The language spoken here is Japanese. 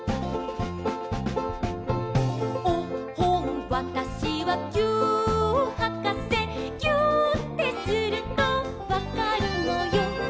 「おっほんわたしはぎゅーっはかせ」「ぎゅーってするとわかるのよ」